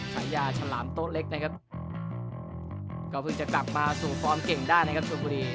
ฉายาฉลามโต๊ะเล็กนะครับก็เพิ่งจะกลับมาสู่ฟอร์มเก่งได้นะครับชมบุรี